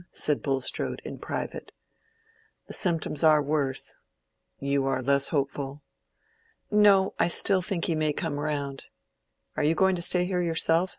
said Bulstrode, in private. "The symptoms are worse." "You are less hopeful?" "No; I still think he may come round. Are you going to stay here yourself?"